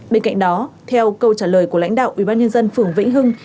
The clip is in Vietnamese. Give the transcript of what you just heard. bên cạnh đó theo câu trả lời của lãnh đạo ủy ban nhân dân phường vĩnh hưng